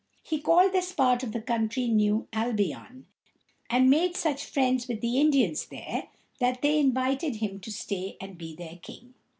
He called this part of the country New Al´bi on, and made such friends with the Indians there that they invited him to stay and be their king.